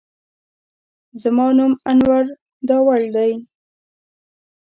زما نوم انور داوړ دی.